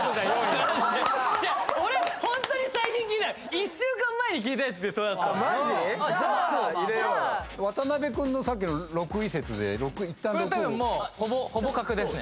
俺ホントに最近聞いたの１週間前に聞いたやつでそれだった渡辺君のさっきの６位説でいったん６位ほぼ確ですね